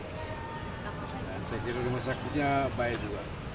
dan sekitar rumah sakitnya baik juga